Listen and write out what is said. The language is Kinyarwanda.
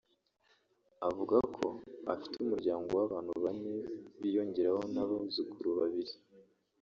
avuga ko afite umuryango w’abantu bane biyongeraho n’abuzukuru babiri